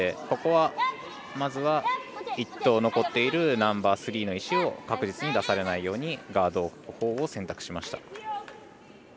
ここはまずは１投残っているナンバースリーの石を確実に出されないようにガードのほうを選択しました。